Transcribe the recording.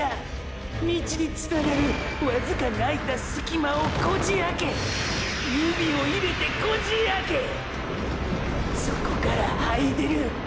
道につながるわずかに空いたスキマをこじ開け指を入れてこじ開けそこから這い出る！！